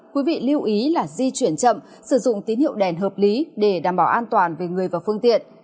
quý vị lưu ý là di chuyển chậm sử dụng tín hiệu đèn hợp lý để đảm bảo an toàn về người và phương tiện